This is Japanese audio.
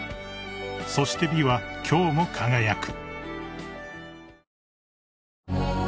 ［そして美は今日も輝く］